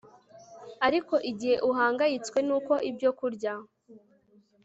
Ariko igihe uhangayitswe nuko ibyokurya